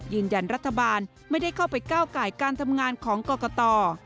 ยืนยันรัฐบาลไม่ได้เข้าไปก้าวไก่การทำงานของกรกต